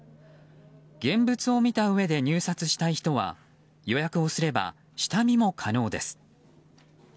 現物を見たうえで入札したい人は予約をすれば、下見も可能です。